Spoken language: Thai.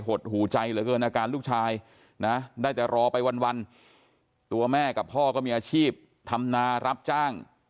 หดหูใจเหลือเกินอาการลูกชายนะได้แต่รอไปวันตัวแม่กับพ่อก็มีอาชีพทำนารับจ้าง